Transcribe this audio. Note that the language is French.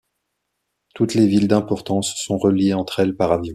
Toutes les villes d'importance sont reliées entre elles par avion.